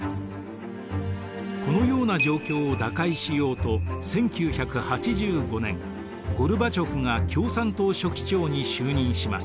このような状況を打開しようと１９８５年ゴルバチョフが共産党書記長に就任します。